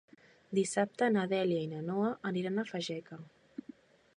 Dissabte na Dèlia i na Noa aniran a Fageca.